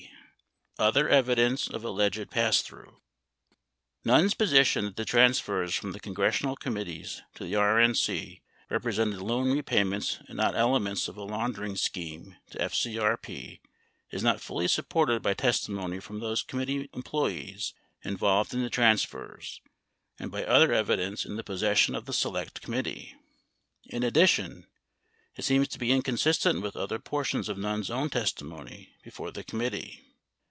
Other Evidence of Alleged Passthrough Nunn's position that the transfers from the congressional commit tees to the RNC represented loan repayments and not elements of a laundering scheme to FCRP is not fully supported by testimony from those committee employees involved in the transfers and by other evidence in the possession of the Select Committee. In addition, it seems to be inconsistent with other portions of Nunn's own testimony before the committee.